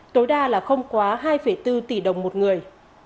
tối đa là không quá hai bốn tỷ đồng một người